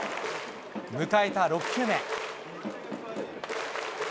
迎えた６球目。